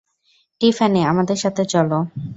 Tiffany, আমাদের সাথে চলো!